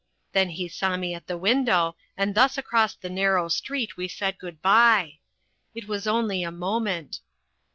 Then he saw me at the window, and thus across the narrow street we said good bye. It was only a moment.